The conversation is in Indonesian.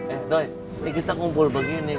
eh doi kita kumpul begini